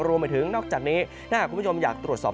รวมไปถึงนอกจากนี้ถ้าคุณผู้ชมอยากตรวจสอบ